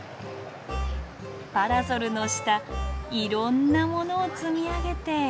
パラソルの下いろんな物を積み上げて。